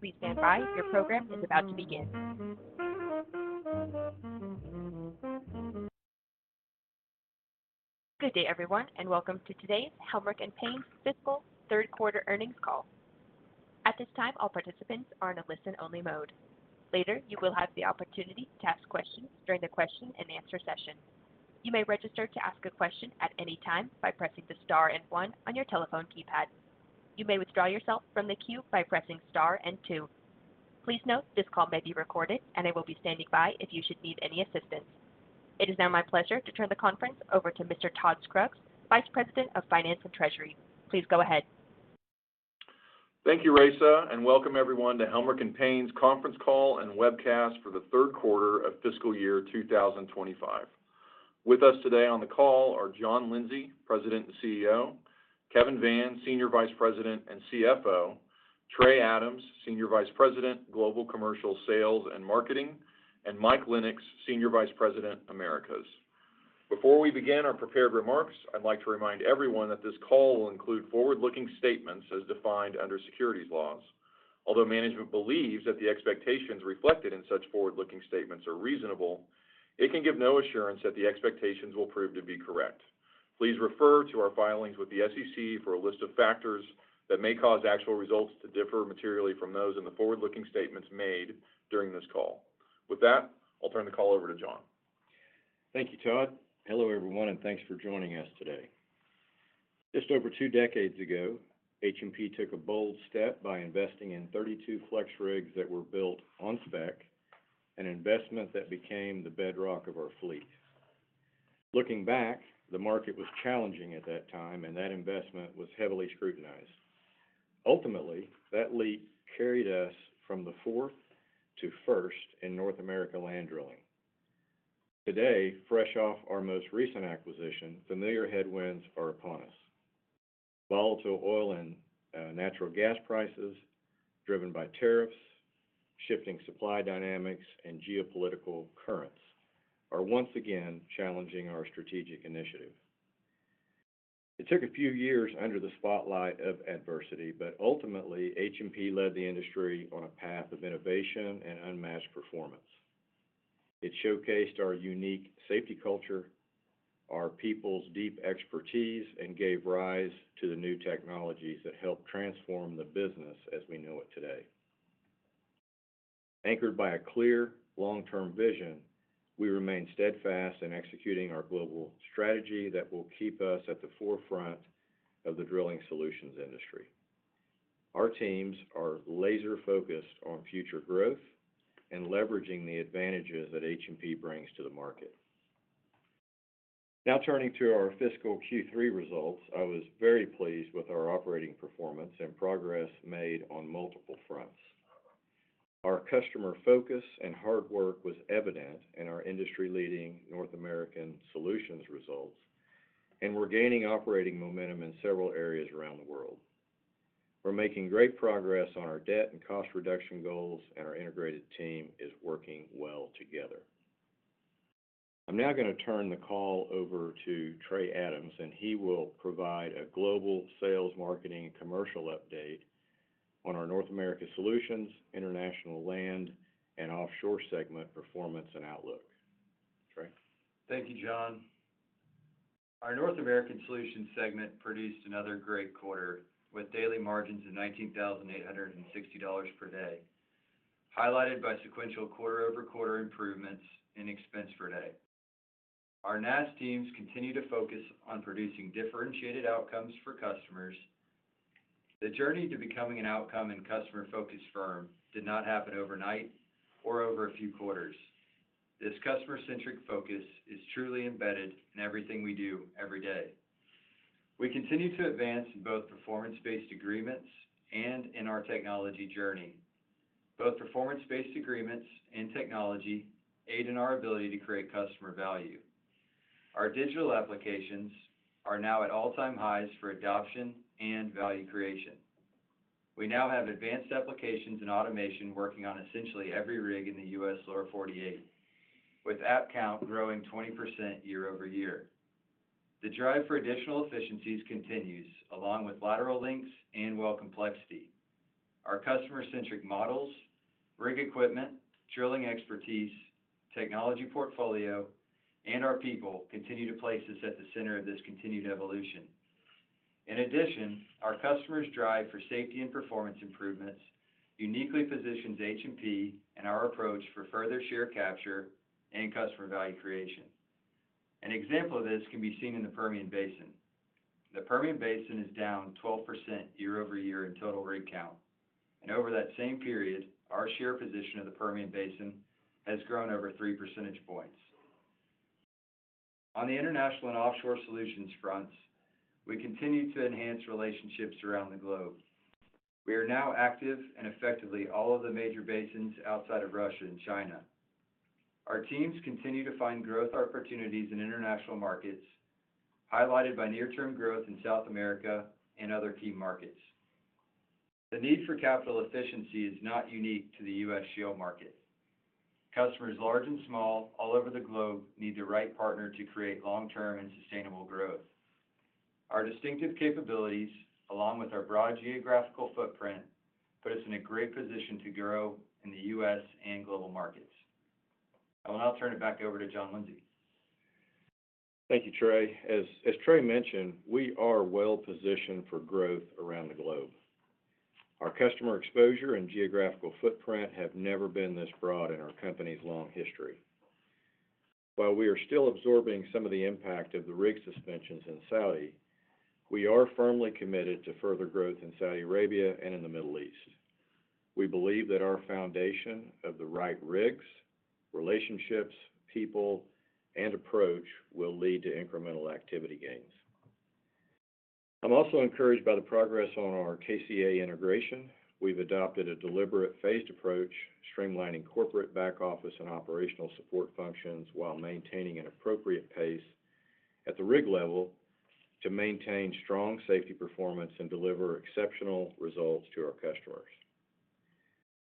Please stand by. Your program is about to begin. Good day everyone and welcome to today's Helmerich & Payne's Fiscal Third Quarter Earnings Call. At this time, all participants are in a listen only mode. Later, you will have the opportunity to ask questions during the question-and-answer session. You may register to ask a question at any time by pressing the star and one on your telephone keypad. You may withdraw yourself from the queue by pressing star and two. Please note this call may be recorded and I will be standing by if. You should need any assistance. It is now my pleasure to turn the conference over to Mr. Todd Scruggs, Vice President of Finance and Treasury. Please go ahead. Thank you, Raisa, and welcome everyone to Helmerich & Payne's conference call and webcast for the third quarter of fiscal year 2025. With us today on the call are John Lindsay, President and CEO; Kevin Vann, Senior Vice President and CFO; Trey Adams, Senior Vice President, Global Commercial Sales and Marketing; and Mike Lennox, Senior Vice President, Americas. Before we begin our prepared remarks, I'd like to remind everyone that this call will include forward-looking statements as defined under securities laws. Although management believes that the expectations reflected in such forward-looking statements are reasonable, it can give no assurance that the expectations will prove to be correct. Please refer to our filings with the SEC for a list of factors that may cause actual results to differ materially from those in the forward-looking statements made during this call. With that, I'll turn the call over to John. Thank you, Todd. Hello, everyone, and thanks for joining us today. Just over two decades ago, H&P took a bold step by investing in 32 FlexRigs that were built on spec an investment that became the bedrock of our fleet. Looking back, the market was challenging at that time and that investment was heavily scrutinized. Ultimately, that leap carried us from the fourth to first in North America land drilling. Today, fresh off our most recent acquisition, familiar headwinds are upon us. Volatile oil and natural gas prices driven by tariffs, shifting supply dynamics, and geopolitical currents are once again challenging our strategic initiative. It took a few years under the spotlight of adversity, but ultimately H&P led the industry on a path of innovation and unmatched performance. It showcased our unique safety culture, our people's deep expertise, and gave rise to the new technologies that helped transform the. Business as we know it today. Anchored by a clear long-term vision, we remain steadfast in executing our global strategy that will keep us at the forefront of the drilling solutions industry. Our teams are laser focused on future growth and leveraging the advantages that H&P brings to the market. Now turning to our fiscal Q3 results, I was very pleased with our operating performance and progress made on multiple fronts. Our customer focus and hard work was evident in our industry-leading North America Solutions results, and we're gaining operating momentum in several areas around the world. We're making great progress on our debt and cost reduction goals, and our integrated team is working well together. I'm now going to turn the call over to Trey Adams, and he will provide a global sales, marketing, and commercial update on our North America Solutions, International Land, and Offshore segment performance and outlook. Trey? Thank you, John. Our North America Solutions segment produced another great quarter with daily margins of $19,860 per day, highlighted by sequential quarter-over-quarter improvements in expense per day. Our NAS teams continue to focus on producing differentiated outcomes for customers. The journey to becoming an outcome and customer-focused firm did not happen overnight or over a few quarters. This customer-centric focus is truly embedded in everything we do every day. We continue to advance both performance-based agreements and in our technology journey. Both performance-based agreements and technology aid in our ability to create customer value. Our digital applications are now at all-time highs for adoption and value creation. We now have advanced applications and automation working on essentially every rig in the U.S. Lower 48, with app count growing 20% year-over-year. The drive for additional efficiencies continues along with lateral lengths and well complexity. Our customer-centric models, rig equipment, drilling expertise, technology portfolio, and our people continue to place us at the center of this continued evolution. In addition, our customers' drive for safety and performance improvements uniquely positions H&P and our approach for further share capture and customer value creation. An example of this can be seen in the Permian Basin. The Permian Basin is down 12% year-over-year in total rig count, and over that same period our share position of the Permian Basin has grown over 3 percentage points. On the International and Offshore Solutions fronts, we continue to enhance relationships around the globe. We are now active in effectively all of the major basins outside of Russia and China. Our teams continue to find growth opportunities in international markets, highlighted by near-term growth in South America and other key markets. The need for capital efficiency is not unique to the U.S. shale market. Customers large and small all over the globe need the right partner to create long-term and sustainable growth. Our distinctive capabilities, along with our broad geographical footprint, put us in a great position to grow in the U.S. and global markets. I will now turn it back over to John Lindsay. Thank you, Trey. As Trey mentioned, we are well positioned for growth around the globe. Our customer exposure and geographical footprint have never been this broad in our company's long history. While we are still absorbing some of the impact of the rig suspensions in Saudi, we are firmly committed to further growth in Saudi Arabia and in the Middle East. We believe that our foundation of the right rigs, relationships, people, and approach will lead to incremental activity gains. I'm also encouraged by the progress on our integration. We've adopted a deliberate, phased approach, streamlining corporate back office and operational support functions while maintaining an appropriate pace at the rig level to maintain strong safety performance and deliver exceptional results to our customers.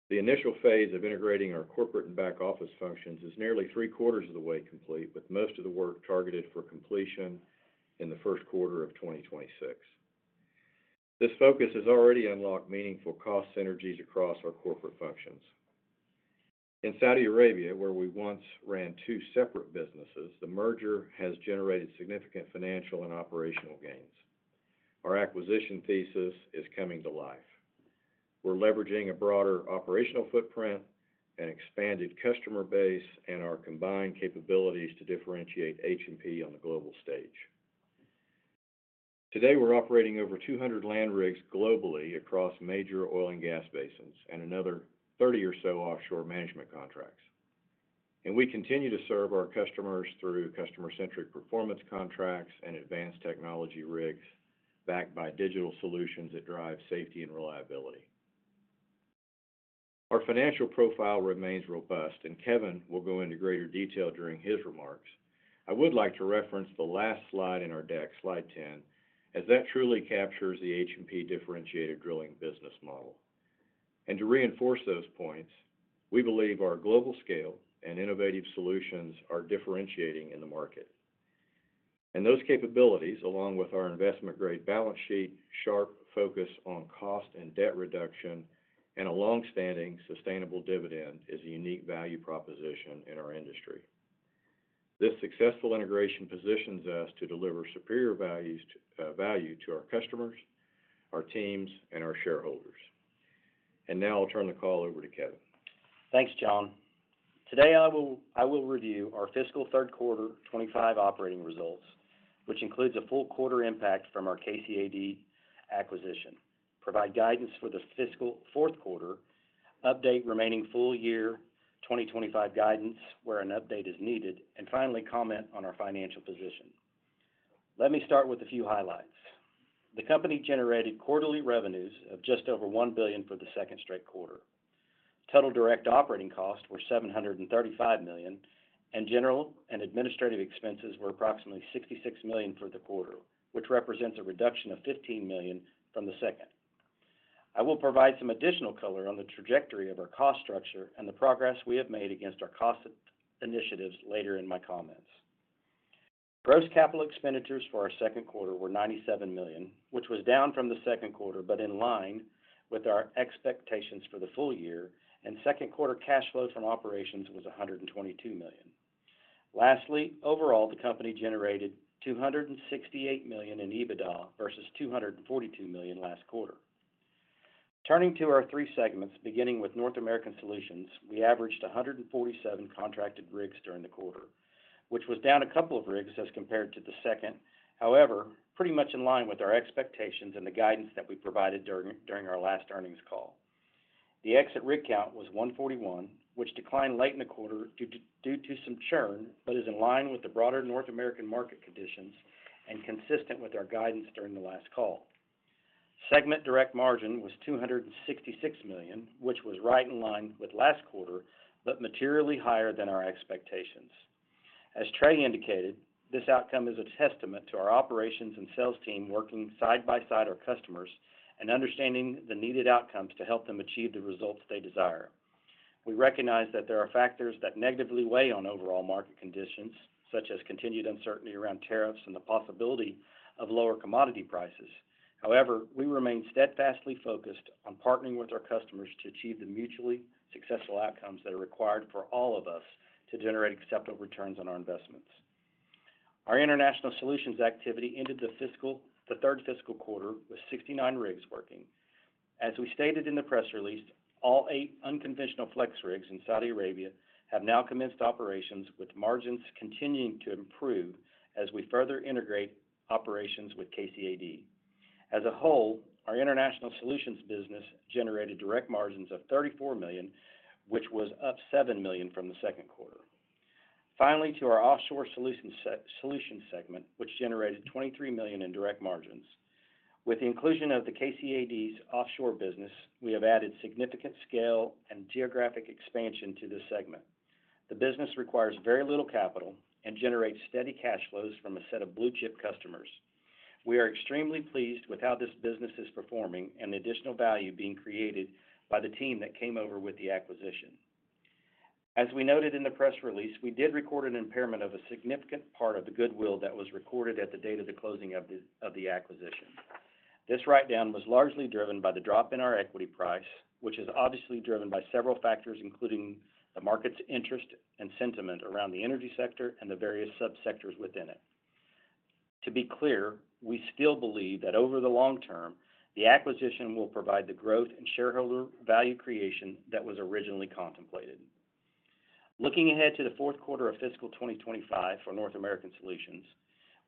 The initial phase of integrating our corporate and back office functions is nearly 3/4 of the way complete, with most of the work targeted for completion in the first quarter of 2026. This focus has already unlocked meaningful cost synergies across our corporate functions. In Saudi Arabia, where we once ran two separate businesses, the merger has generated significant financial and operational gains. Our acquisition thesis is coming to life. We're leveraging a broader operational footprint, an expanded customer base, and our combined capabilities to differentiate H&P on the global stage. Today, we're operating over 200 land rigs globally across major oil and gas basins and another 30 or so offshore management contracts. We continue to serve our customers through customer-centric performance-based contracts and advanced technology rigs backed by digital solutions that drive safety and reliability. Our financial profile remains robust, and Kevin will go into greater detail during his remarks. I would like to reference the last slide in our deck, slide 10, as that truly captures the H&P differentiated drilling business model. To reinforce those points, we believe our global scale and innovative solutions are differentiating in the market, and those capabilities, along with our investment-grade balance sheet, sharp focus on cost and debt reduction, and a long-standing sustainable dividend, is a unique value proposition in our industry. This successful integration positions us to deliver superior value to our customers, our teams, and our shareholders. Now I'll turn the call over to Kevin. Thanks John. Today I will review our fiscal third quarter 2025 operating results, which includes a full quarter impact from our KCAD acquisition, provide guidance for the fiscal fourth quarter update, remaining full year 2025 guidance where an update is needed, and finally comment on our financial position. Let me start with a few highlights. The company generated quarterly revenues of just over $1 billion for the second straight quarter. Total direct operating costs were $735 million, and general and administrative expenses were approximately $66 million for the quarter, which represents a reduction of $15 million. I will provide some additional color on the trajectory of our cost structure and the progress we have made against our cost initiatives later in my comments. Gross capital expenditures for our third quarter were $97 million, which was down from the second quarter but in line with our expectations for the full year and third quarter. Cash flow from operations was $122 million. Lastly, overall the company generated $268 million in EBITDA versus $242 million last quarter. Turning to our three segments, beginning with North America Solutions, we averaged 147 contracted rigs during the quarter, which was down a couple of rigs as compared to the second. However, pretty much in line with our expectations and the guidance that we provided during our last earnings call. The exit rig count was 141, which declined late. In the quarter. Some churn, but is in line with the broader North American market conditions and consistent with our guidance. During the last call, segment direct margin was $266 million, which was right in line with last quarter but materially higher than our expectations. As Trey indicated, this outcome is a testament to our operations and sales team working side by side our customers and understanding the needed outcomes to help them achieve the results they desire. We recognize that there are factors that negatively weigh on overall market conditions such as continued uncertainty around tariffs and the possibility of lower commodity prices. However, we remain steadfastly focused on partnering with our customers to achieve the mutually successful outcomes that are required for all of us to generate acceptable returns on our investments. Our International Solutions activity ended the third fiscal quarter with 69 rigs working. As we stated in the press release, all eight unconventional FlexRigs in Saudi Arabia have now commenced operations with margins continuing to improve as we further integrate operations with KCAD as a whole. Our International Solutions business generated direct margins of $34 million, which was up $7 million from the second quarter. Finally, to our Offshore Solutions segment, which generated $23 million in direct margins. With the inclusion of KCAD's offshore business, we have added significant scale and geographic expansion to this segment. The business requires very little capital and generates steady cash flows from a set of blue-chip customers. We are extremely pleased with how this business is performing and additional value being created by the team that came over with the acquisition. As we noted in the press release, we did record an impairment of a significant part of the goodwill that was recorded at the date of the closing of the acquisition. This write-down was largely driven by the drop in our equity price, which is obviously driven by several factors including the market's interest and sentiment around the energy sector and the various subsectors within it. To be clear, we still believe that over the long term the acquisition will provide the growth and shareholder value creation that was originally contemplated. Looking ahead to the fourth quarter of fiscal 2025 for North America Solutions,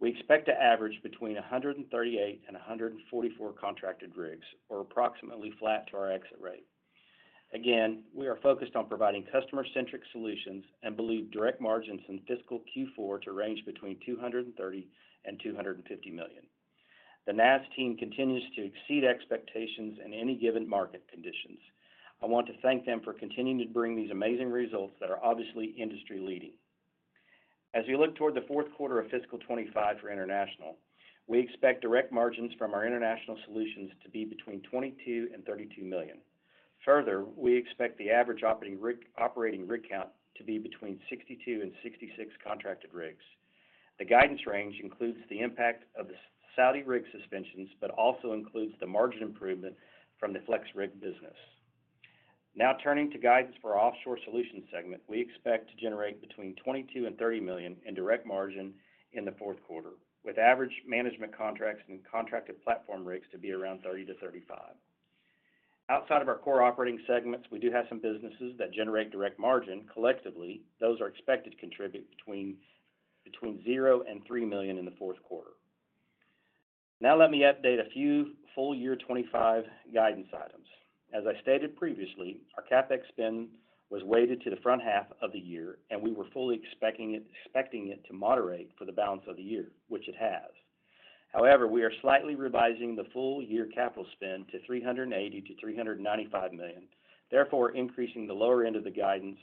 we expect to average between 138 and 144 contracted rigs or approximately flat to our exit rate. Again, we are focused on providing customer-centric solutions and believe direct margins in fiscal Q4 to range between $230 million and $250 million. The NAS team continues to exceed expectations in any given market conditions. I want to thank them for continuing to bring these amazing results that are obviously industry-leading. As we look toward the fourth quarter of fiscal 2025 for international, we expect direct margins from our International Solutions to be between $22 million and $32 million. Further, we expect the average operating rig count to be between 62 and 66 contracted rigs. The guidance range includes the impact of the Saudi rig suspensions, but also includes the margin improvement from the FlexRig business. Now turning to guidance for the Offshore Solutions segment, we expect to generate between $22 million and $30 million in direct margin in the fourth quarter with average management contracts and contracted platform rigs to be around 30 to 35. Outside of our core operating segments, we do have some businesses that generate direct margin. Collectively, those are expected to contribute between $0 and $3 million in the fourth quarter. Now let me update a few full year 2025 guidance items. As I stated previously, our CapEx spend was weighted to the front half of the year and we were fully expecting it to moderate for the balance of the year, which it has. However, we are slightly revising the full year capital spend to $380 million to $395 million, therefore increasing the lower end of the guidance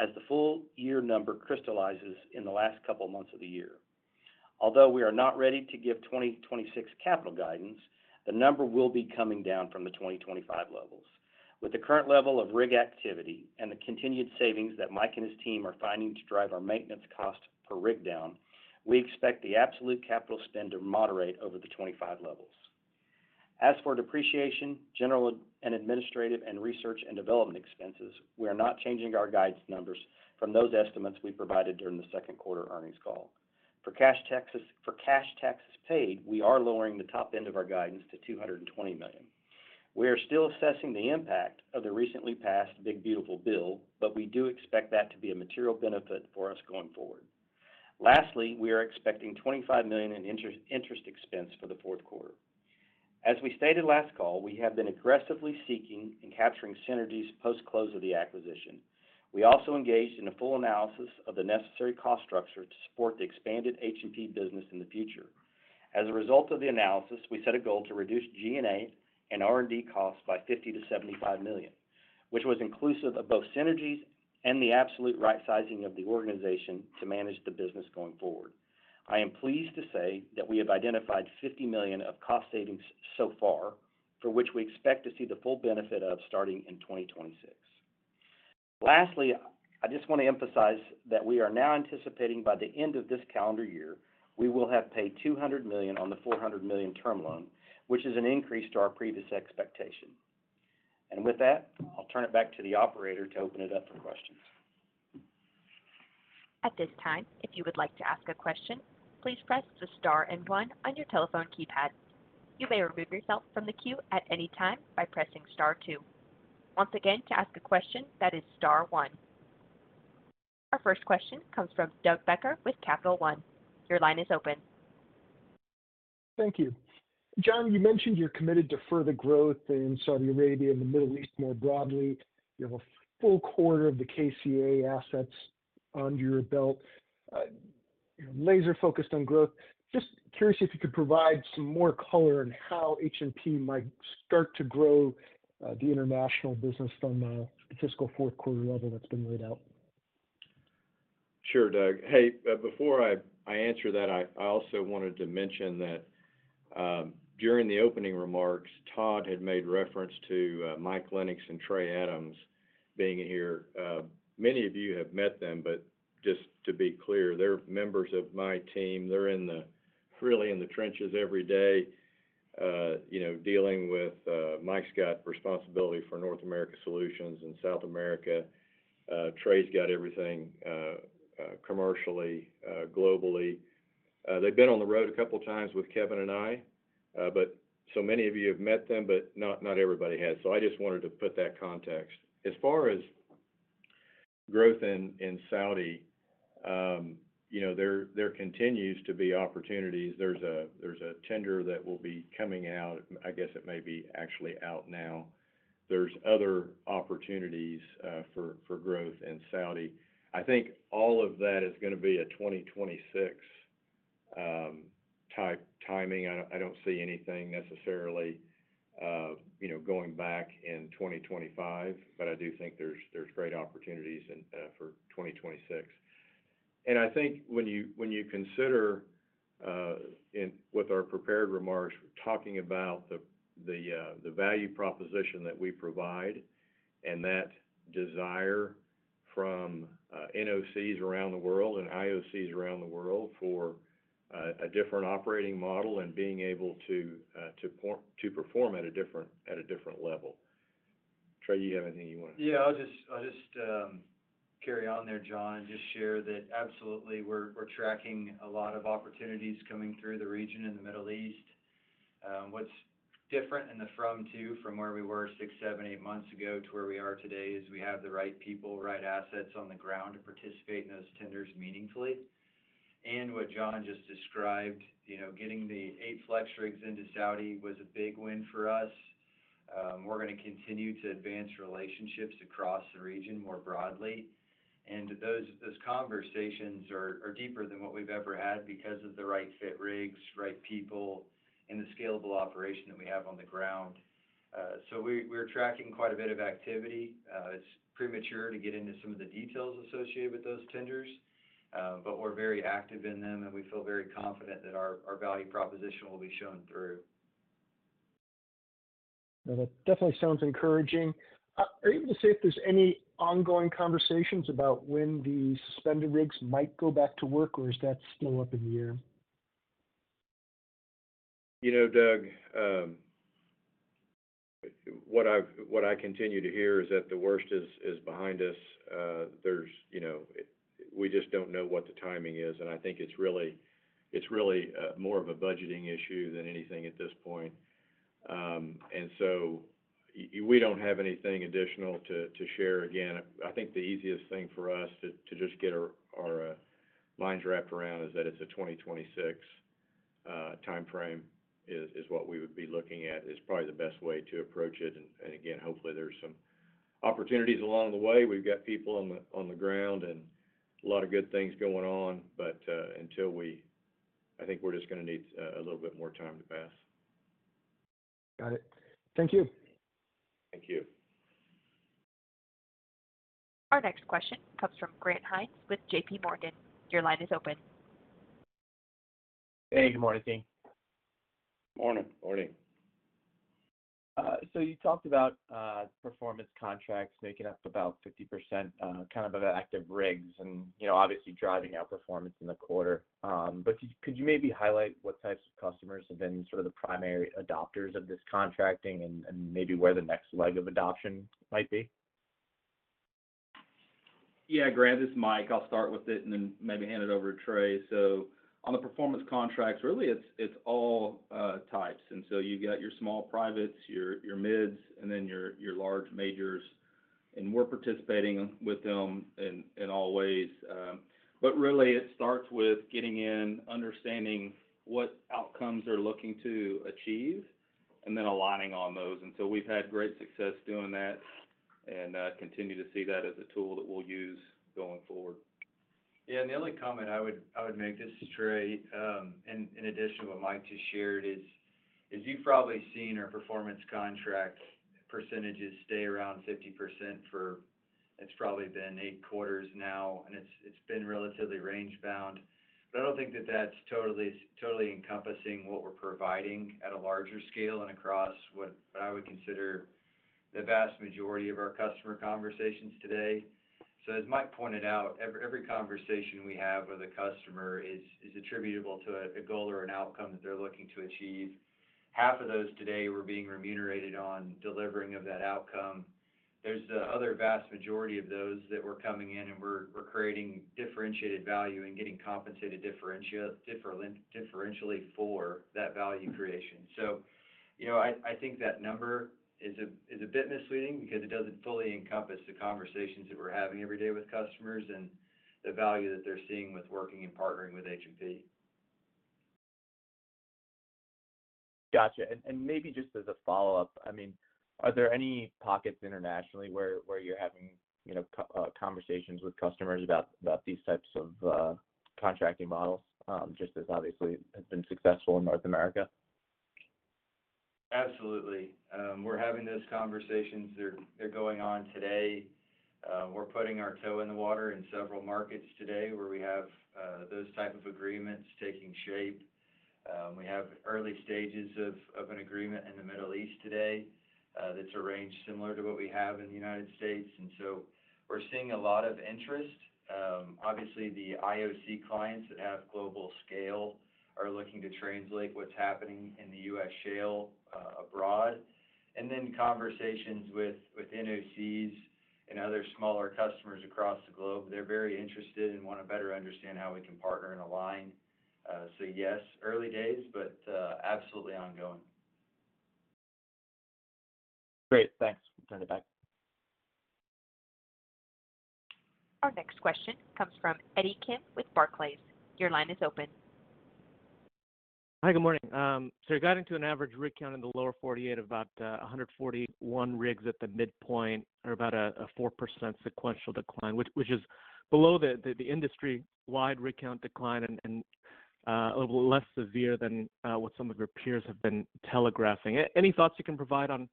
as the full year number crystallizes in the last couple months of the year. Although we are not ready to give 2026 capital guidance, the number will be coming down from the 2025 levels. With the current level of rig activity and the continued savings that Mike and his team are finding to drive our maintenance cost per rig down, we expect the absolute capital spend to moderate over the 2025 levels. As for depreciation, general and administrative, and research and development expenses, we are not changing our guidance numbers from those estimates we provided during the second quarter earnings call. For cash taxes paid, we are lowering the top end of our guidance to $220 million. We are still assessing the impact of the recently passed big beautiful bill, but we do expect that to be a material benefit for us going forward. Lastly, we are expecting $25 million in interest expense for the fourth quarter. As we stated last call, we have been aggressively seeking and capturing synergies post close of the acquisition. We also engaged in a full analysis of the necessary cost structure to support the expanded H&P business in the future. As a result of the analysis, we set a goal to reduce G&A and R&D costs by $50 million to $75 million, which was inclusive of both synergies and the absolute right sizing of the organization to manage the business going forward. I am pleased to say that we have identified $50 million of cost savings so far for which we expect to see the full benefit of starting in 2026. Lastly, I just want to emphasize that we are now anticipating by the end of this calendar year we will have paid $200 million on the $400 million term loan, which is an increase to our previous expectation. With that, I'll turn it back to the operator to open it up for questions. At this time, if you would like to ask a question, please press the star and one on your telephone keypad. You may remove yourself from the queue at any time by pressing star two. Once again, to ask a question, that is star one. Our first question comes from Doug Becker with Capital One. Your line is open. Thank you. John, you mentioned you're committed to further growth in Saudi Arabia and the Middle East more broadly. You have a full quarter of the KCA assets under your belt, laser-focused on growth. Just curious if you could provide some more color on how H&P might start to grow the international business from fiscal fourth quarter level. That's been laid out. Sure, Doug. Before I answer that, I also wanted to mention that during the opening remarks Todd had made reference to Mike Lennox and Trey Adams being here. Many of you have met them, but just to be clear, they're members of my team. They're in the trenches every day, dealing with it. Mike's got responsibility for North America Solutions and South America. Trey's got everything commercially, globally. They've been on the road a couple times with Kevin and I. Many of you have met them, but not everybody has. I just wanted to put that context. As far as growth in Saudi, there continues to be opportunities. There's a tender that will be coming out. I guess it may actually be out now. There are other opportunities for growth in Saudi. I think all of that is going to be a 2026 type timing. I don't see anything necessarily going back in 2025, but I do think there are great opportunities for 2026. I think when you consider with our prepared remarks, talking about the value proposition that we provide and that desire from NOCs around the world and IOCs around the world for a different operating model and being able to perform at a different level. Trey, do you have anything you want? Yeah, I'll just carry on there. John, just share that. Absolutely. We're tracking a lot of opportunities coming through the region in the Middle East. What's different from where we were six, seven, eight months ago to where we are today is we have the right people, right assets on the ground to participate in those tenders meaningfully. What John just described, you know, getting the eight FlexRigs into Saudi was a big win for us. We're going to continue to advance relationships across the region more broadly. Those conversations are deeper than what we've ever had because of the right fit rigs, right people, and the scalable operation that we have on the ground. We're tracking quite a bit of activity. It's premature to get into some of the details associated with those tenders, but we're very active in them and we feel very confident that our value proposition will be shown through. That definitely sounds encouraging. Are you able to see if there's any ongoing conversations about when the suspended rigs might go back to work, or is that still up in the air? You know, Doug, what I continue to hear is that the worst is behind us. We just don't know what the timing is, and I think it's really more of a budgeting issue than anything at this point, so we don't have anything additional to share. I think the easiest thing for us to get our minds wrapped around is that a 2026 timeframe is what we would be looking at, probably the best way to approach it. Hopefully there's some opportunities along the way. We've got people on the ground and a lot of good things going on, but I think we're just going to need a little bit more time to pass. Got it. Thank you. Thank you. Our next question comes from Grant Hynes with JPMorgan. Your line is open. Hey, good morning, team. Morning. Morning. You talked about performance contracts making. Up about 50% active rigs and, you know, obviously driving outperformance in the quarter, but could you maybe highlight what types of customers have been sort of the primary adopters of this contracting? Maybe where the next leg of adoption might be? Yeah, Grant, it's Mike. I'll start with it and then maybe. Hand it over to Trey. On the performance contracts, really it's all types, and you've got your small privates. Your mids and then your large majors. We are participating with them in all ways. It really starts with getting in, understanding what outcomes they're looking to achieve, and then aligning on those. We've had great success doing that and continue to see that as a tool. We'll use going forward. Yeah. The only comment I would make, this is Trey, in addition to what Mike just shared, is you've probably seen our performance contract percentages stay around 50% for it's probably been eight quarters now, and it's been relatively range bound. I don't think that that's totally encompassing what we're providing at a larger scale and across. I would consider the vast majority of our customer conversations today, as Mike pointed out, every conversation we have with a customer is attributable to a goal or an outcome that they're looking to achieve. Half of those today we're being remunerated on delivering of that outcome. There's the other vast majority of those that we're coming in and we're creating differentiated value and getting compensated differentially for that value creation. I think that number is, it. Is a bit misleading because it doesn't. Fully encompass the conversations that we're having every day with customers and the value that they're seeing with working and partnering with H&P. Gotcha. Maybe just as a follow-up, I mean, are there any pockets internationally where you're having conversations with customers about these types of contracting models? Just as obviously, have been successful in North America. Absolutely, we're having those conversations. They're going on today. We're putting our toe in the water in several markets today where we have those type of agreements taking shape. We have early stages of an agreement in the Middle East today that's arranged similar to what we have in the United States. We're seeing a lot of interest. Obviously, the IOC clients at global scale are looking to translate what's happening in the U.S. shale abroad, and then conversations with NOCs and other smaller customers across the globe. They're very interested and want to better understand how we can partner and align. Yes, early days, but absolutely ongoing. Great, thanks. Turn it back. Our next question comes from Eddie Kim with Barclays. Your line is open. Hi, good morning. You're guiding to an average rig count in the Lower 48, about 141 rigs at the midpoint, or about a 4% sequential decline, which is below the industry-wide rig count decline and a little less severe than what some of your peers have been telegraphing. Any thoughts you can provide on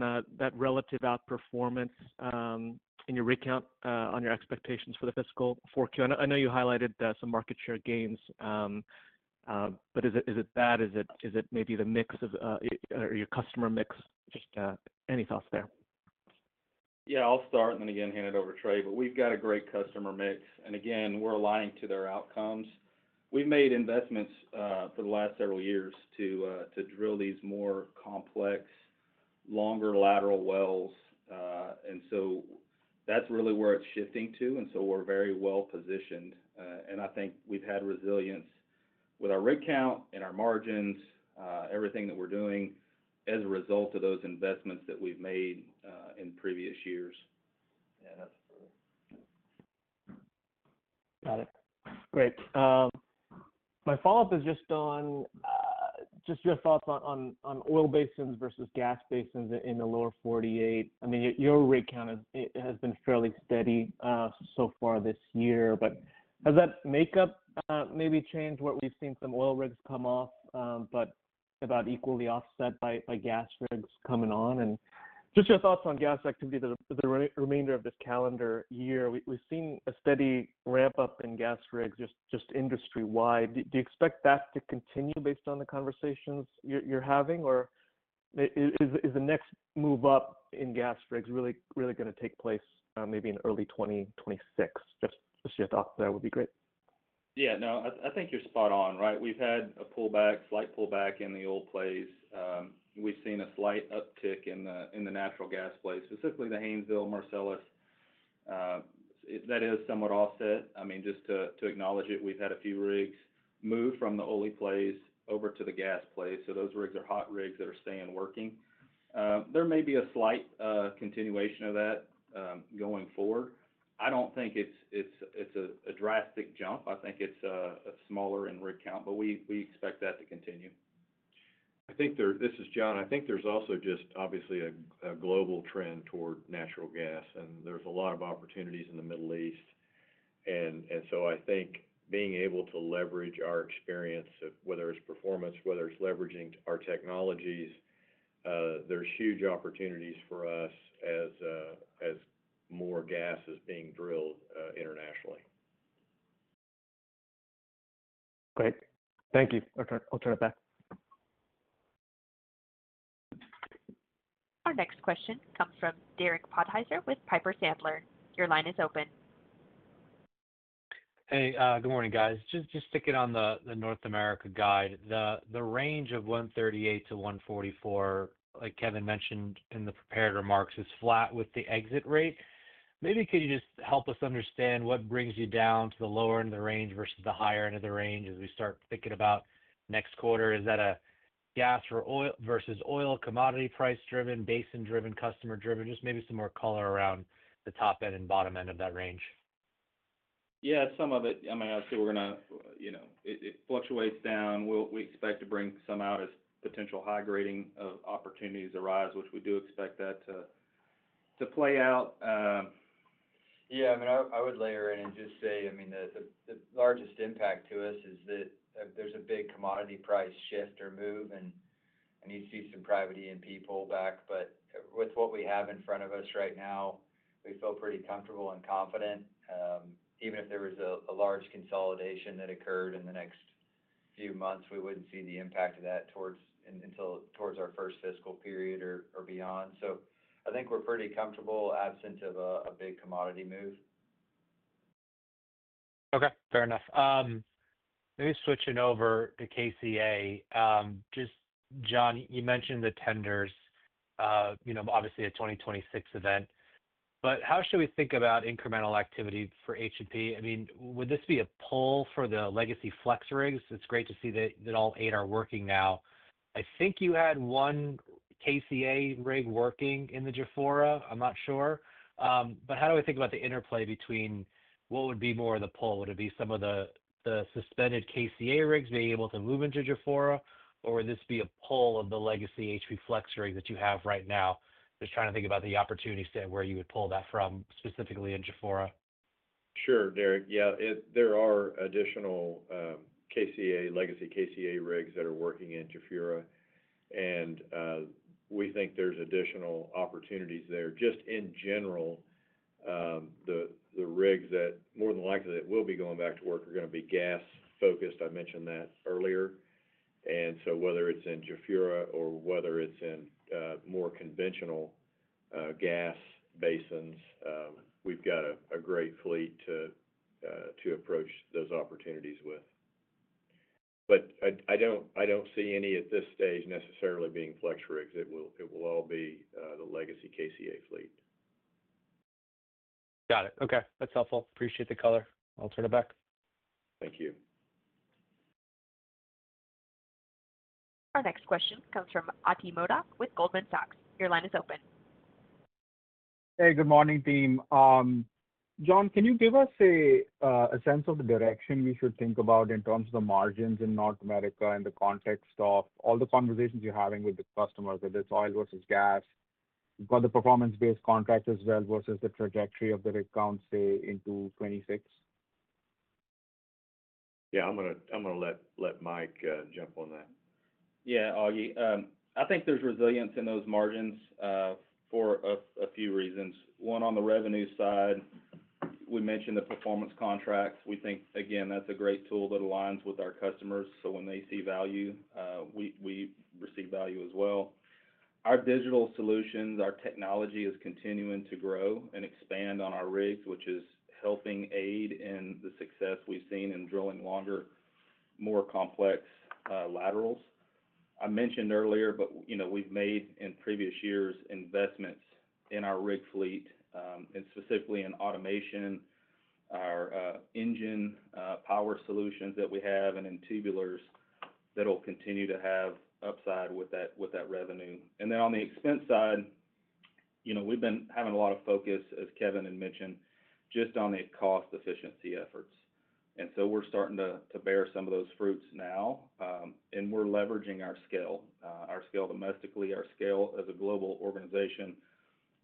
that relative outperformance in your rig count, on your expectations for the fiscal 4Q? I know you highlighted some market share gains. Is it that, is it maybe the mix of your customer mix? Just any thoughts there? Yeah, I'll start and then hand it over to Trey. We have got a great customer mix. We're aligned to their outcomes. We've made investments for the last several years to drill these more complex, longer lateral wells. That's really where it's shifting to, and we're very well positioned. I think we've had resilience with our rig count and our margins. Everything that we're doing is a result of those investments that we've made in previous years. Got it. Great. My follow-up is just on your thoughts on oil basins versus gas basins in the Lower 48. Your rig count has been fairly steady so far this year, but has that makeup maybe changed? We've seen some oil rigs come off, but about equally offset by gas rigs coming on. Just your thoughts on gas activity the remainder of this calendar year. We've seen a steady ramp-up in gas rigs industry-wide. Do you expect that to continue based on the conversations you're having, or is the next move up in gas rigs really going to take place maybe in early 2026? That would be great. No, I think you're spot-on. Right. We've had a pullback, slight pullback in the oil plays. We've seen a slight uptick in the natural gas play, specifically the Haynesville, Marcellus. That is somewhat offset. I mean, just to acknowledge it, we've had a few rigs move from the. Oil plays over to the gas plays. Those rigs are hot rigs that are staying working. There may be a slight continuation of that going forward. I don't think it's a drastic jump. I think it's smaller in rig count, but we expect that to continue. I think there's also just obviously a global trend toward natural gas, and there's a lot of opportunities in the Middle East. I think being able to leverage our experience, whether it's performance or leveraging our technologies, there's huge opportunities for us as more gas is being drilled internationally. Great, thank you. I'll turn it back. Our next question comes from Derek Podhaizer with Piper Sandler. Your line is open. Hey, good morning guys. Just sticking on the North America guide, the range of 138-144, like Kevin mentioned in the prepared remarks, is. Flat with the exit rate. Maybe could you just help us understand. What brings you down to the lower end of the range versus the higher? End of the range as we start thinking about next quarter. Is that a gas versus oil commodity price-driven, basin-driven, customer-driven? Just maybe some more color around the top. End and bottom end of that range. Yeah, some of it. I mean, I said we're going to, you know, it fluctuates down. We expect to bring some out as potential high-grading opportunities arise, which we. Do you expect that to play out? Yeah, I would layer in and just say the largest impact to us is that there's a big commodity price shift or move and you see some private E&P pullback. With what we have in front of us right now, we feel pretty comfortable and confident. Even if there was a large consolidation that occurred in the next few months, we wouldn't see the impact of that until towards our first fiscal period or beyond. I think we're pretty comfortable absent of a big commodity move. Okay, fair enough. Maybe switching over to KCA. Just. John, you mentioned the tenders. You know, obviously a 2026 event, but how should we think about incremental activity for H&P? I mean, would this be a pull. For the legacy FlexRigs, it's great to see that all eight are working now. I think you had one KCA rig working in the Jafurah. I'm not sure how do I. Think about the interplay between what would be more of the pull. Would it be some of the, the. Suspended KCA rigs being able to move. Into Jafurah or would this be a. Pull of the legacy HP FlexRigs that you have right now? Just trying to think about the opportunity set where you would pull that from specifically in Jafurah. Sure. Derek. Yeah, there are additional KCA legacy KCA rigs that are working in Jafurah, and we think there's additional opportunities there. Just in general, the rigs that more than likely will be going back to work are going to be gas focused. I mentioned that earlier. Whether it's in Jafurah or in more conventional gas basins, we've got a great fleet to approach those opportunities with. I don't see any at this stage necessarily being FlexRigs. It will all be the legacy KCA fleet. Got it. Okay, that's helpful. Appreciate the color. I'll turn it back. Thank you. Our next question comes from Ati Modak with Goldman Sachs. Your line is open. Hey, good morning team. John, can you give us a sense of the direction we should think about in terms of the margins in North America in the context of all the conversations you're having with the customers, whether it's oil versus gas, the performance-based contract as well versus the trajectory of the rig counts into 2026. Yeah, I'm going to let Mike jump on that. Yeah, Ati, I think there's resilience in those margins for a few reasons. One, on the revenue side we mentioned the performance contracts. We think again that's a great tool that aligns with our customers, so when they see value, we receive value as well. Our digital solutions, our technology is continuing to grow and expand on our rigs, which is helping aid in the success we've seen in drilling longer, more complex. Laterals I mentioned earlier. We have made in previous years investments in our rig fleet and specifically in automation, our engine power solutions that we have, and in tubulars. That will continue to have upside with that revenue. On the expense side, you. We've been having a lot of focus, as Kevin had mentioned, just on. Cost efficiency efforts. We're starting to bear some of those fruits now, and we're leveraging our scale, our scale domestically, our scale as a global organization.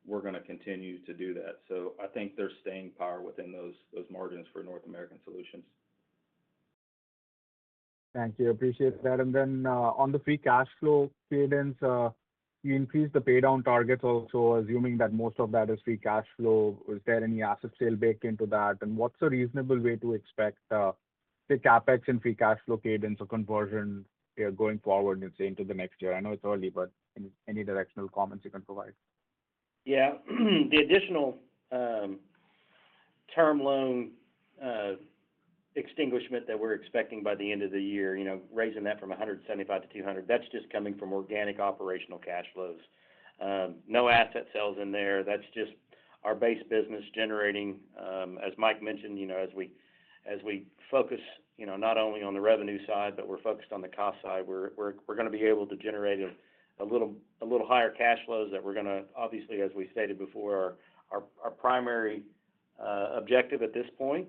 We're going to. Continue to do that. I think there's staying power within those margins for North America Solutions. Thank you, appreciate that. On the free cash flow cadence, you increase the pay down targets. Also, assuming that most of that is free cash flow, is there any asset sale baked into that, and what's a reasonable way to expect the CapEx and free cash flow cadence or conversion going forward, let's say into the next year? I know it's early, but any directional comments you can provide? Yeah, the additional term loan extinguishment that we're expecting by the end of the year, raising that from $175 million to $200 million, that's just coming from organic operational cash flows, no asset sales in there. That's just our base business generating, as Mike mentioned, as we focus not only on the revenue side, but we're focused on the cost side. We're going to be able to generate a little higher cash flows that we're going to. Obviously, as we stated before, our primary objective at this point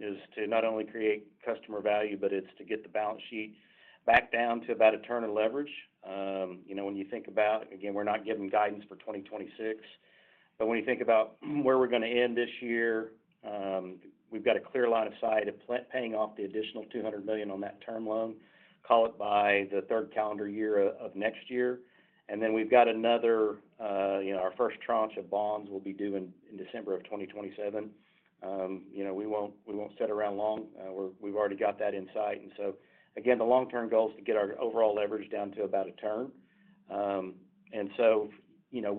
is to not only create customer value, but it's to get the balance sheet back down to about a turn of leverage. When you think about, again, we're not giving guidance for 2026, but when you think about where we're going to end this year, we've got a clear line of sight of paying off the additional $200 million on that term loan, call it by the third calendar quarter of next year. Then we've got another, our first tranche of bonds we'll be doing in December of 2027. We won't sit around long. We've already got that in sight. Again, the long-term goal is to get our overall leverage down to about a turn.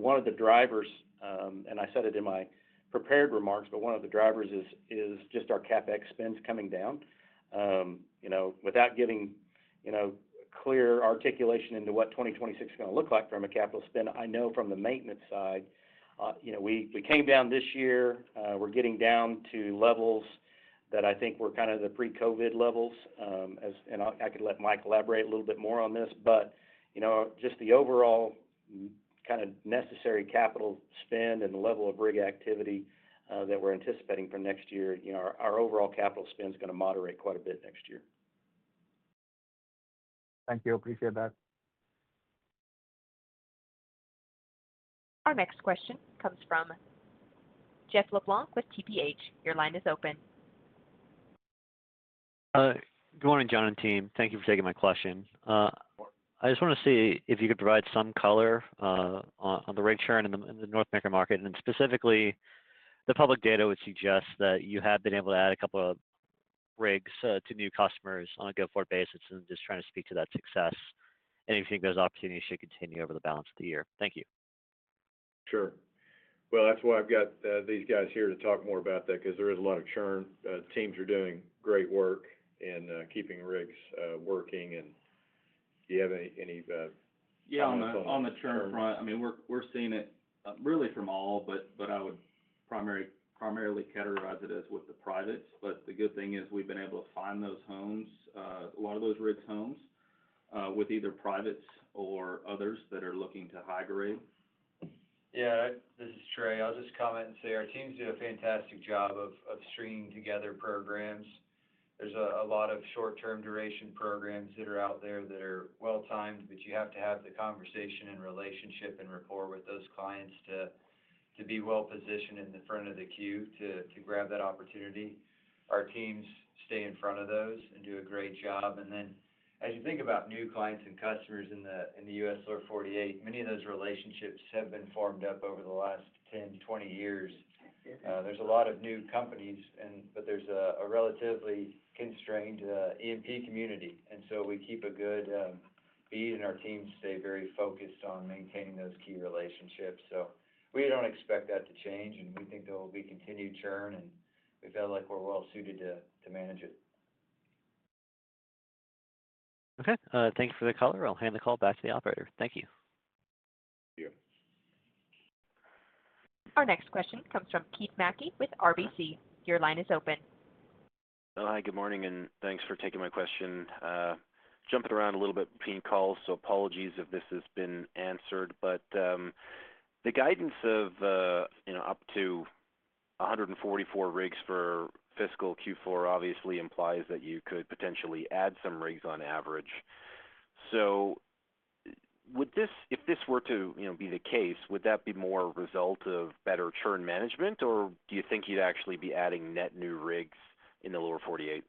One of the drivers, and I said it in my prepared remarks, but one of the drivers is just our CapEx spend coming down. Without giving clear articulation into what 2026 is going to look like from a capital spend, I know from the maintenance side, we came down this year, we're getting down to levels that I think were kind of the pre-COVID levels. I could let Mike elaborate a little bit more on this, but just the overall kind of necessary capital spend and the level of rig activity that we're anticipating for next year, our overall capital spend is going to moderate quite a bit next year. Thank you. Appreciate that. Our next question comes from Jeff LeBlanc with TPH. Your line is open. Good morning, John and team. Thank you for taking my question. I just want to see if you. Could provide some color on the rate. Churn in the North American market. Specifically, the public data would suggest that you have been able to add a. Couple of rigs to new customers on. On a go-forward basis, just trying to speak to that success, you think those opportunities should continue over the balance of the year. Thank you. Sure. That's why I've got these guys here to talk more about that, because there is a lot of churn. Teams are doing great work and keeping rigs working. Do you have any? Yeah, on the churn front, we're seeing it really from all, but I would primarily categorize it as with the privates. The good thing is we've been able to find those homes, a lot of those rigs, homes with either privates. Others that are looking to high grade. Yeah, this is Trey. I'll just comment and say our teams do a fantastic job of stringing together programs. There's a lot of short-term duration programs that are out there that are well timed. You have to have the conversation and relationship and rapport with those clients to be well positioned in the front of the queue to grab that opportunity. Our teams stay in front of those and do a great job. As you think about new clients and customers in the U.S. Lower 48, many of those relationships have been formed up over the last 10, 20 years. There's a lot of new companies, but there's a relatively constrained E&P community. We keep a good beat and our team stay very focused on maintaining those key relationships. We don't expect that to change and we think there will be continued churn and we feel like we're well suited to manage it. Okay, thank you for the call. I'll hand the call back to the operator. Thank you. Our next question comes from Keith MacKey with RBC. Your line is open. Hi, good morning and thanks for taking my question. Jumping around a little bit between calls, apologies if this has been answered, but the guidance of up to 144. Rigs for fiscal Q4 obviously implies that you could potentially add some rigs on average. If this were to be the case, would that be more result of. Better churn management, or do you think? You'd actually be adding net new rigs in the Lower 48?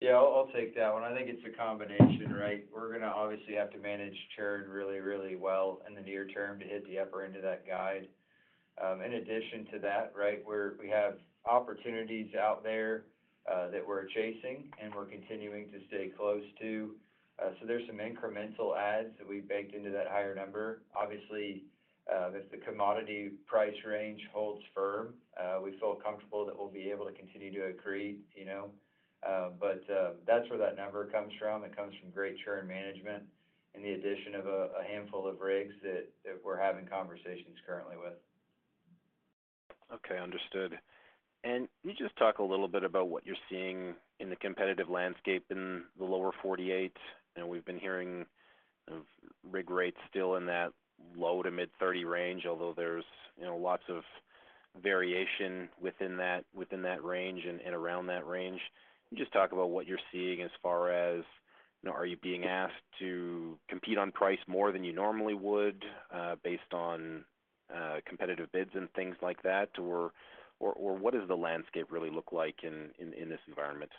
Yeah, I'll take that one. I think it's a combination. We're going to obviously have to manage churn really, really well in the near term to hit the upper end of guide. In addition to that, we have opportunities out there that we're chasing and we're continuing to stay close to. There's some incremental adds that we baked into that higher number. Obviously, if the commodity price range holds firm, we feel comfortable that we'll be able to continue to accrete. That's where that number comes from. It comes from great churn management and the addition of a handful of rigs that we're having conversations currently with. Okay, understood. Could you talk a little bit about what you're seeing in the competitive environment? Landscape in the Lower 48, and we've. Been hearing rig rates still in that. Low to mid-30 range, although there's. Lots of variation within that range and around that range. Just talk about what you're seeing as. As are you being asked to. Compete on price more than you normally. Would be based on competitive bids and things. Like that, or what does the landscape? Really look like in this environment?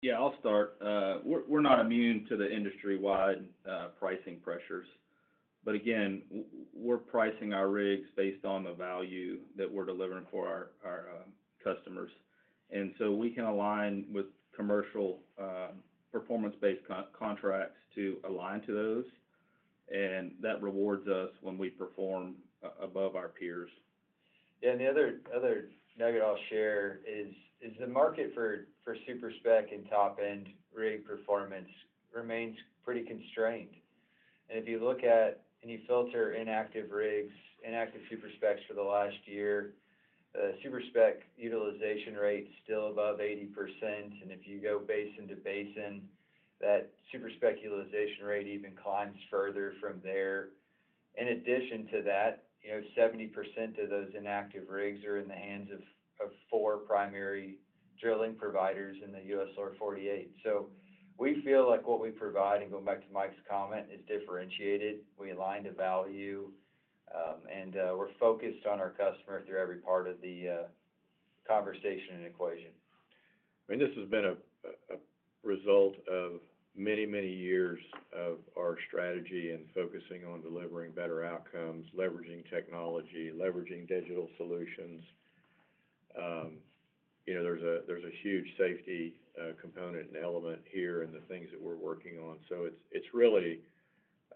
Yeah, I'll start. We're not immune to the industry-wide pricing pressures, but again we're pricing our rigs based on the value that we're. Delivering for our customers, and so we. Can align with commercial performance-based contracts to align to those, and that rewards us when we perform above our peers. The other nugget I'll share is the market for super-spec and top-end rig performance remains pretty constrained. If you look at and you filter inactive rigs, inactive super-specs for the last year, the super-spec utilization rate is still above 80%, and if you go basin to basin, that super-spec utilization rate even climbs further from there. In addition to that, 70% of those inactive rigs are in the hands of four primary drilling providers in the U.S. Lower 48. We feel like what we provide, and going back to Mike's comment, is differentiated. We align to value and we're focused on our customer through every part of the conversation and equation. This has been a result of many, many years of our strategy and focusing on delivering better outcomes, leveraging technology, leveraging digital solutions. There's a huge safety component and element here and the things that we're working on. It's really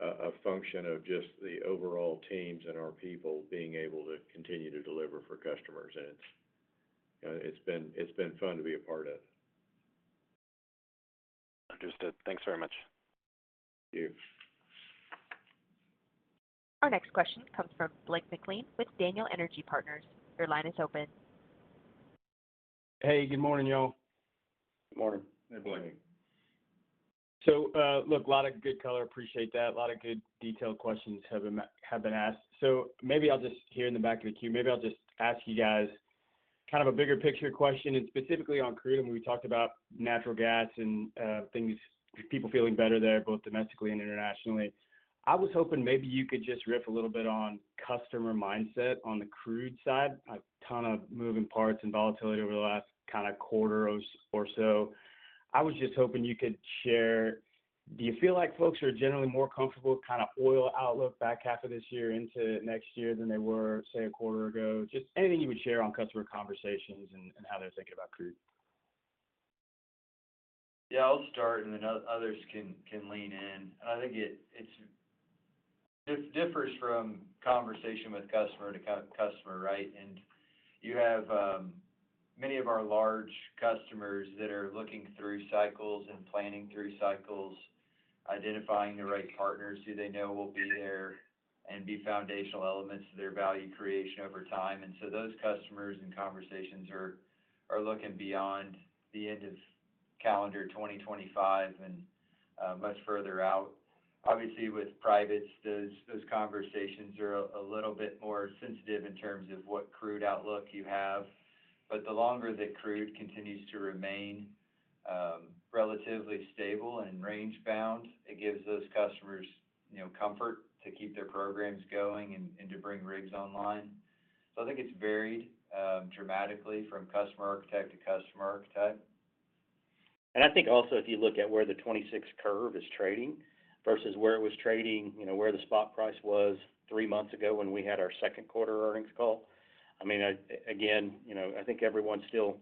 a function of just the overall teams and our people being able to continue to deliver for customers, and it's been fun to be a part of. Understood. Thanks very much. You. Our next question comes from Blake McLean with Daniel Energy Partners. Your line is open. Hey, good morning y'all. Good morning. They're blending, so look, a lot of good color. Appreciate that. A lot of good detail. Questions have been asked. Maybe I'll just ask you guys kind. Of a bigger picture question. Specifically on crude, we talked. About natural gas and things, people feeling better there both domestically and internationally. I was hoping maybe you could just. Riff a little bit on customer mindset on the crude side. A ton of moving parts and volatility. Over the last quarter or so, I was just hoping you could share. Do you feel like folks are generally. More comfortable kind of oil outlook back. Half of this year into next year. Than they were, say, a quarter ago? Just anything you would share on customer conversations and how they're thinking about crude? Yeah, I'll start and then others can lean in. I think this differs from conversation with customer to customer. Right. You have many of our large customers that are looking through cycles and planning through cycles, identifying the right partners who they know will be there and be foundational elements to their value creation over time. Those customers and conversations are looking beyond the end of calendar 2025 and much further out. Obviously, with privates, those conversations are a little bit more sensitive in terms of what crude outlook you have. The longer that crude continues to remain relatively stable and range bound, it gives those customers comfort to keep their programs going and to bring rigs online. I think it's varied dramatically from customer archetype to customer archetype. If you look at where the 2026 curve is trading versus where it was trading, where the spot price was three months ago when we had our second quarter earnings call, I think everyone's still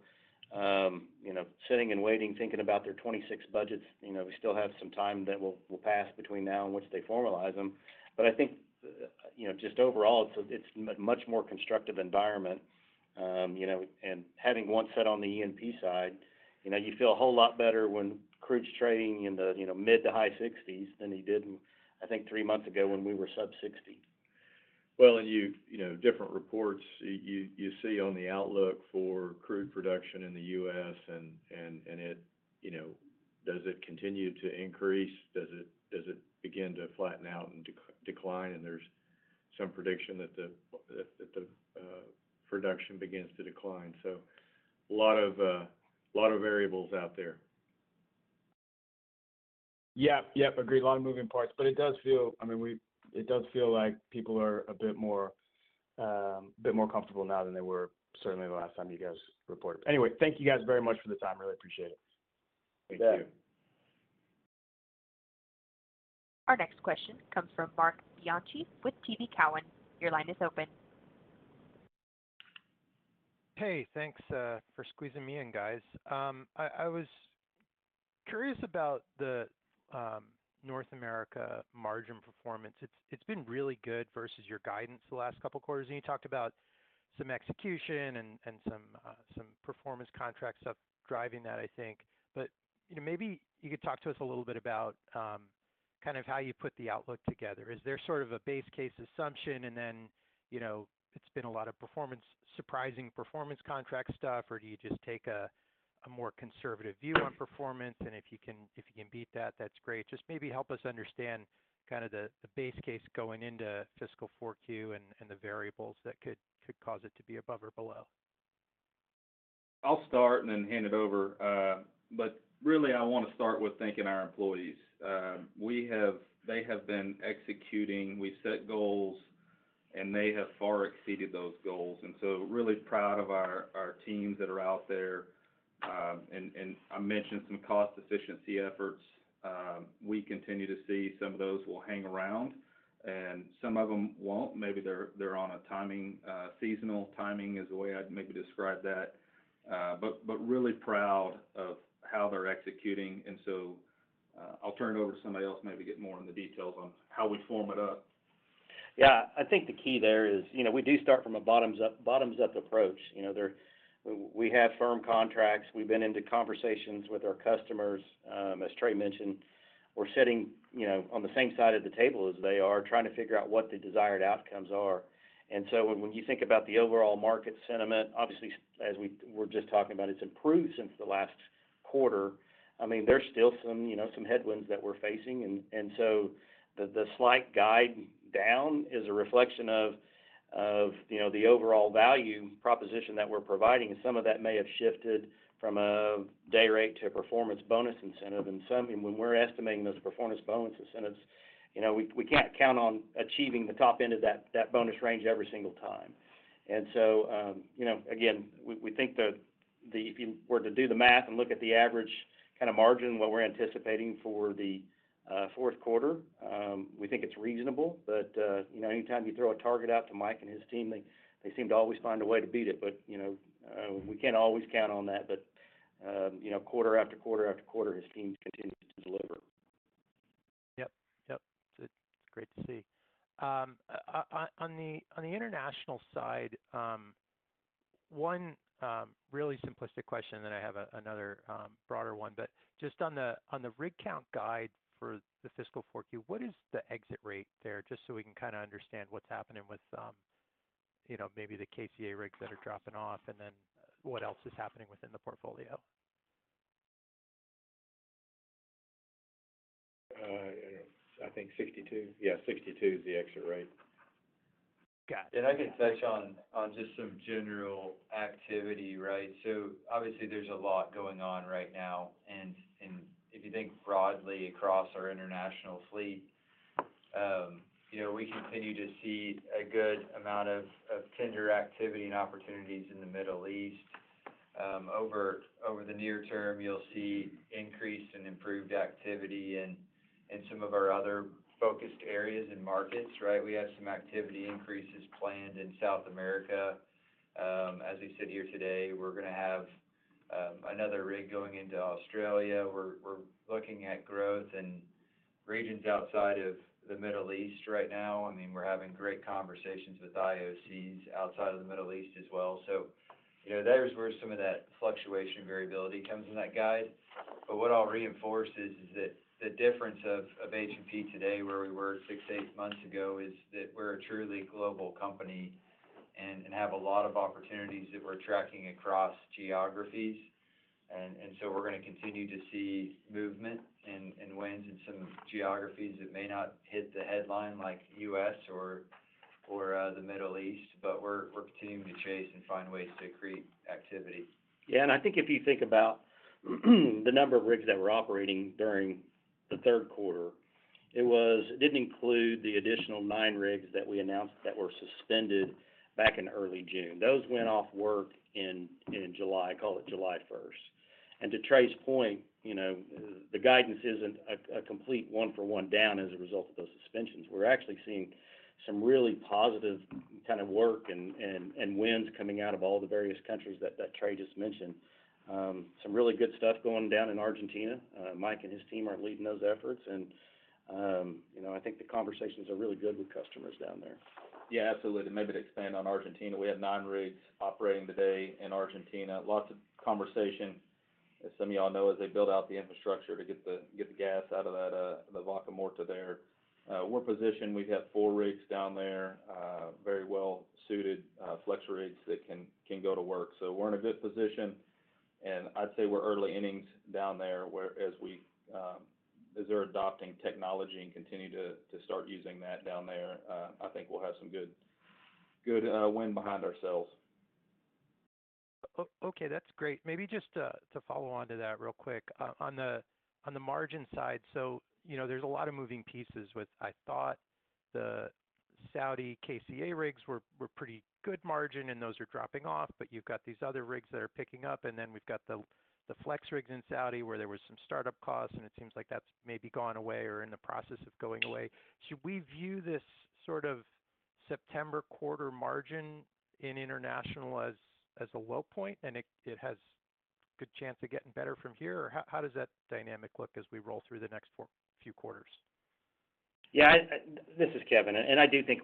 sitting and waiting, thinking about their 2026 budgets. We still have some time that will pass between now and once they formalize them. I think just overall it's a much more constructive environment, and having one set on the E&P side, you feel a whole lot better when crude's trading in the mid to high 60s than you did three months ago when we were sub-60. You know, different reports you see on the outlook for crude production in the U.S., and it, you know, does it continue to increase? Does it begin to flatten out and decline? There's some prediction that the production begins to decline. A lot of variables out there. Yeah, agreed. Long moving parts. It does feel like people are a. Bit more comfortable now than they were certainly the last time you guys reported. Anyway, thank you guys very much for. Really appreciate it. Our next question comes from Marc Bianchi with TD Cowen. Your line is open. Hey, thanks for squeezing me in guys. I was curious about the North America margin performance. It's been really good versus your guidance the last couple quarters, and you talked about some execution and some performance-based contract stuff driving that, I think. Maybe you could talk to us a little bit about how you put the outlook together. Is there sort of a base case assumption and then it's been a lot of performance, surprising performance, contract stuff, or do you just take a more conservative view on performance and if you can beat that, that's great. Just maybe help us understand kind of the base case going into fiscal 4Q and the variables that could cause it to be above or below. I'll start and then hand it over. I want to start with thanking our employees. They have been executing, we set goals. They have far exceeded those goals. I am really proud of our teams that are out there. I mentioned some cost efficiency efforts. We continue to see some of those will hang around and some of them won't. Maybe they're on a timing, seasonal timing is the way I'd maybe describe that. I am really proud of how they're executing. I'll turn it over to. Maybe get more in the. Details on how we form it up. Yeah, I think the key there is, you know, we do start from a bottoms up approach. We have firm contracts. We've been into conversations with our customers, as Trey mentioned. We're sitting on the same side of the table as they are trying to figure out what the desired outcomes are. When you think about the overall market sentiment, obviously, as we were just talking about, it's improved since the last quarter. I mean, there's still some headwinds that we're facing. The slight guide down is a reflection of the overall value proposition that we're providing. Some of that may have shifted from a day rate to performance bonus incentive. When we're estimating those performance bonus incentives, you know, we can't count on achieving the top end of that bonus range every single time. Again, we think that if you were to do the math and look at the average kind of margin, what we're anticipating for the fourth quarter, we think it's reasonable. Anytime you throw a target out to Mike and his team, they seem to always find a way to beat it. We can't always count on that. Quarter after quarter after quarter, his teams continue to deliver. It's great to see on the international side. One really simplistic question, then I have another broader one. On the rig count guide for the fiscal 4Q, what is the exit rate there? Just so we can kind of understand what's happening with, you know, maybe the KCA rigs that are dropping off and then what else is happening within the portfolio? I think 62. Yeah, 62 is the exit rate. Got it. I can touch on just some general activity. Right. Obviously there's a lot going on right now, and if you think broadly across our international fleet, we continue to see a good amount of tender activity and opportunities in the Middle East. Over the near term, you'll see increased and improved activity in some of our other focused areas and markets. We have some activity increases planned in South America. As we sit here today, we're going to have another rig going into Australia. We're looking at growth in regions outside of the Middle East right now. I mean, we're having great conversations with IOCs outside of the Middle East as well. There's where some of that fluctuation variability comes in that guide. What I'll reinforce is that the difference of H&P today, where we were six, eight months ago, is that we're a truly global company and have a lot of opportunities that we're tracking across geographies. We're going to continue to see movement and wins in some geographies that may not hit the headline like U.S. or the Middle East, but we're continuing to chase and find ways to create activity. Yeah. If you think about the number of rigs that we're operating during the third quarter, it didn't include the additional nine rigs that we announced that were suspended back in early June. Those went off work in July. Call it July 1st. To Trey's point, the guidance isn't a complete one-for-one down as a result of those suspensions. We're actually seeing some really positive kind of work and wins coming out of all the various countries that Trey just mentioned. Some really good stuff going down in Argentina. Mike and his team are leading those efforts, and I think the conversations are really good with customers down there. Yeah, absolutely. Maybe to expand on Argentina, we have nine rigs operating today in Argentina. Lots of conversation, as some of you. As they build out the infrastructure to get the gas out of the Vaca Muerta there, we're positioned. We've got four rigs down there, very well-suited FlexRigs. Can go to work. We're in a good position, and I'd say we're early innings down there. As they're adopting technology and continue to start using that down there, I think we'll have some good, good wind behind ourselves. Okay, that's great. Maybe just to follow on to that real quick on the margin side. You know, there's a lot of moving pieces with. I thought the Saudi KCA rigs were pretty good margin and those are dropping off. You've got these other rigs that are picking up and then we've got the FlexRigs in Saudi where there was some startup costs and it seems like that's maybe gone away or in the process of going away. Should we view this sort of September quarter margin in international as a low point and it has good chance of getting better from here, or how does that dynamic look as we roll through the next few quarters? Yeah, this is Kevin and I do think,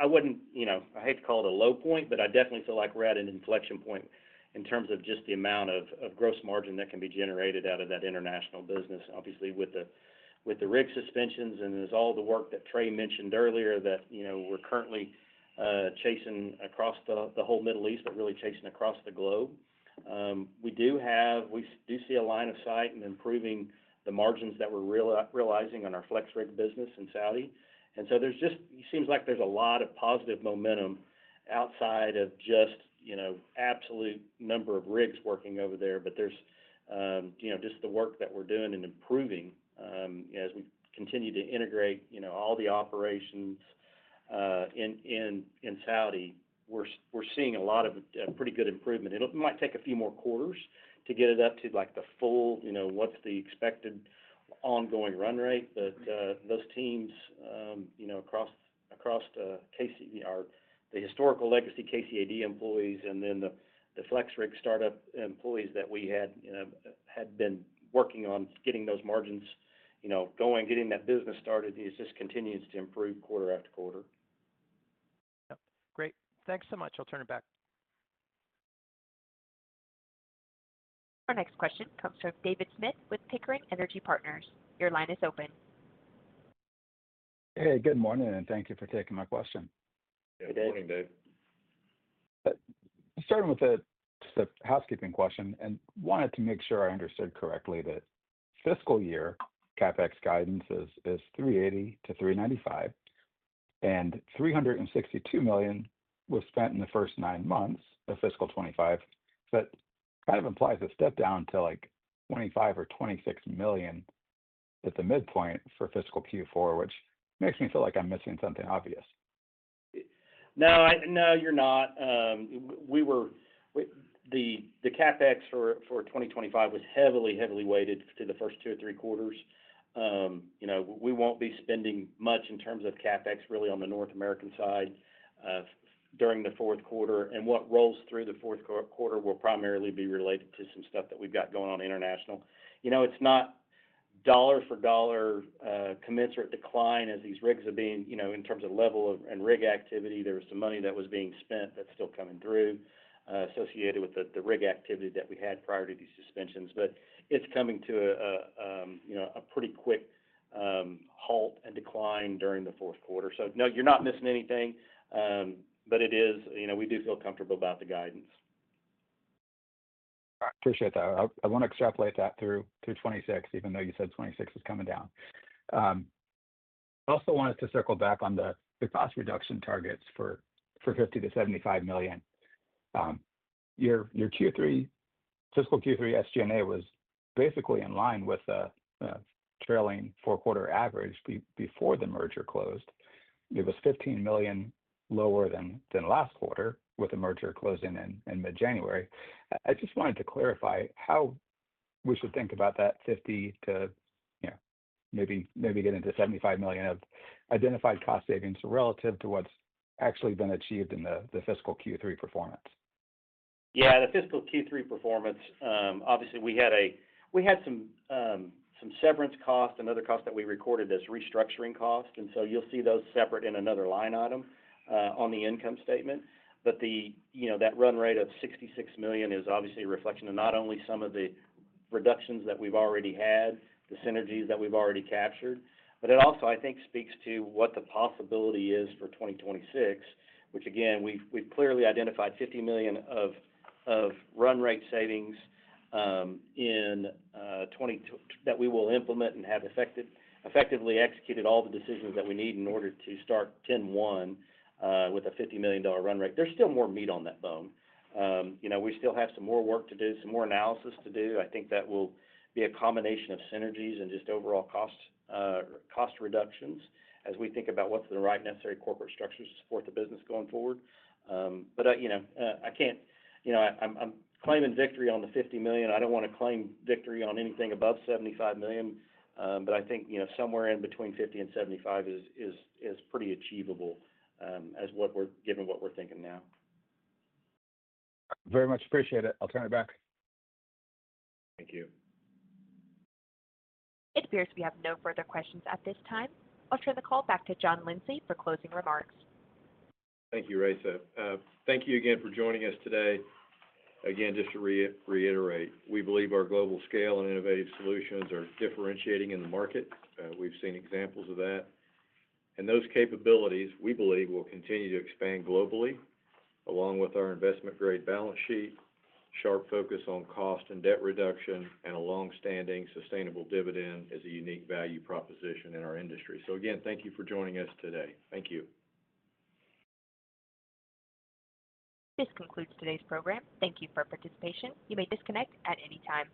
I wouldn't, you know, I hate to call it a low point, but I definitely feel like we're at an inflection point in terms of just the amount of gross margin that can be generated out of that international business. Obviously with the rig suspensions, and there's all the work that Trey mentioned earlier that, you know, we're currently chasing across the whole Middle East, but really chasing across the globe. We do have, we do see a line of sight in improving the margins that we're realizing on our FlexRig business in Saudi. There's just, it seems like there's a lot of positive momentum outside of just, you know, absolute number of rigs working over there. There's, you know, just the work that we're doing and improving as we continue to integrate all the operations in Saudi, we're seeing a lot of pretty good improvement. It might take a few more quarters. To get it up to like the. What's the expected ongoing run rate that those teams across KCA are, the historical legacy KCAD employees and then the FlexRig start-up employees that we had, had been working on getting those margins going, getting that business started? It just continues to improve quarter after quarter. Great, thanks so much. I'll turn it back. Our next question comes from David Smith with Pickering Energy Partners. Your line is open. Hey, good morning, and thank you for taking my question. Good morning, Dave. Starting with a housekeeping question, I wanted to make sure I understood correctly that fiscal year CapEx guidance is $380 million-$395 million and $362 million was spent in the first nine months of fiscal 2025. That kind of implies a step down to like $25 million or $26 million at the midpoint for fiscal Q4, which makes me feel like I'm missing something obvious. No, you're not. We were. The CapEx for 2025 was heavily, heavily weighted to the first two or three quarters. We won't be spending much in terms of CapEx really on the North American side during the fourth quarter. What rolls through the fourth quarter will primarily be related to some stuff that we've got going on international. It's not dollar-for-dollar commensurate decline as these rigs are being. In terms of level of rig activity, there was spend that's still coming through associated with the rig activity that we had prior to these suspensions. It's coming to a pretty quick halt and decline during the fourth quarter. You're not missing anything, but we do feel comfortable about the guidance. Appreciate that. I want to extrapolate that through to 2026. Even though you said 2026 is coming down. I also wanted to circle back on the cost reduction targets for $50 million-$75 million. Fiscal Q3 SG&A was basically in line with trailing four quarter average before the merger closed. It was $15 million lower than last quarter with the merger closing in mid-January. I just wanted to clarify how we should think about that $50 million to $75 million of identified cost savings relative to what's. Actually been achieved in the fiscal Q3 performance. Yeah, the fiscal Q3 performance. Obviously we had some severance cost, another cost that we recorded as restructuring cost. You will see those separate in another line item on the income statement. That run rate of $66 million is obviously a reflection of not only some of the reductions that we've already had, the synergies that we've already captured, but it also I think speaks to what the possibility is for 2026, which again, we've clearly identified $50 million of run rate savings in 2022 that we will implement and have effectively executed all the decisions that we need in order to start 10:1 with a $50 million run rate. There's still more meat on that bone. We still have some more work to do, some more analysis to do. I think that will be a combination of synergies and just overall cost reductions as we think about what's the right necessary corporate structure to support the business going forward. I can't, you know, I'm claiming victory on the $50 million. I don't want to claim victory on anything above $75 million, but I think somewhere in between $50 million and $75 million is pretty achievable given what we're thinking now. Very much appreciate it. I'll turn it back. Thank you. It appears we have no further questions at this time. I'll turn the call back to John Lindsay for closing remarks. Thank you. Raisa, thank you again for joining us today. Just to reiterate, we believe our global scale and innovative solutions are differentiating in the market. We've seen examples of that, and those capabilities we believe will continue to expand globally along with our investment-grade balance sheet. Sharp focus on cost and debt reduction and a long-standing sustainable dividend is a unique value proposition in our industry. Again, thank you for joining us today. Thank you. This concludes today's program. Thank you for your participation. You may disconnect at any time.